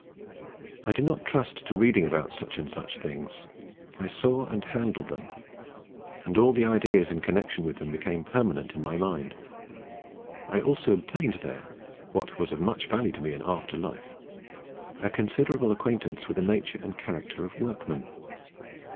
I did not trust to reading about such and such things; I saw and handled them; and all the ideas in connection with them became permanent in my mind. I also obtained there what was of much value to me in after life a considerable acquaintance with the nature and characters of workmen.